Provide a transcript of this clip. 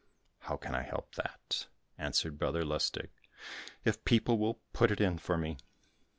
"How can I help that," answered Brother Lustig, "if people will put it in for me?"